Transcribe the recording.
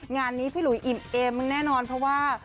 งานนี้พี่หลุยอิ่มเอมแน่นอนเพราะว่า